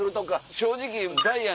正直。